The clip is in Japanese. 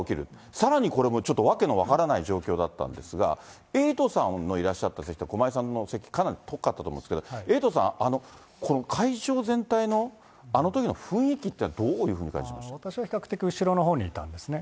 さらにこれも、ちょっと訳の分からない状況だったんですが、エイトさんのいらっしゃった席と駒井さんの席、かなり遠かったと思うんですけど、エイトさん、この会場全体のあのときの雰囲気っていうのはどういうふうに感じ私は比較的、後ろのほうにいたんですね。